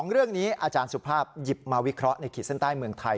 เรื่องนี้อาจารย์สุภาพหยิบมาวิเคราะห์ในขีดเส้นใต้เมืองไทย